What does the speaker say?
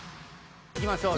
いきましょう。